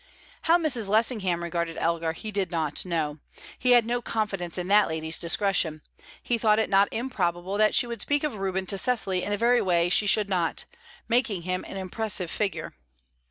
How Mrs. Lessingham regarded Elgar he did not know. He had no confidence in that lady's discretion; he thought it not improbable that she would speak of Reuben to Cecily in the very way she should not, making him an impressive figure.